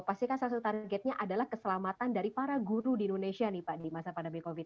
pastikan salah satu targetnya adalah keselamatan dari para guru di indonesia nih pak di masa pandemi covid sembilan